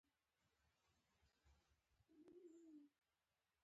زه خپل هېواد د ټولو کسانو سره شریکوم.